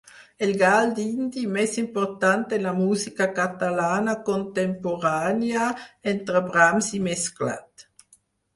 El gall dindi més important de la música catalana contemporània, entre Brams i Mesclat.